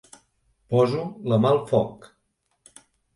Poso la mà al foc.